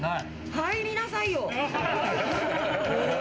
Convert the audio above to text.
入りなさいよ！